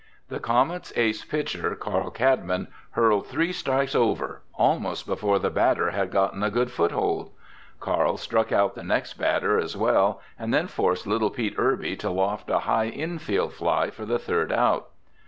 The Comets' ace pitcher, Carl Cadman, hurled three fast strikes over almost before the batter had gotten a good foothold. Carl struck out the next batter as well and then forced little Pete Irby to loft a high infield fly for the third out.